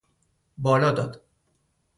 بالا داد